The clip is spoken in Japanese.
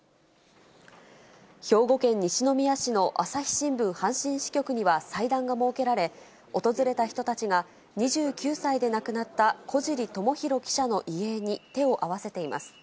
兵庫県西宮市の朝日新聞阪神支局には祭壇が設けられ、訪れた人たちが２９歳で亡くなった小尻知博記者の遺影に手を合わせています。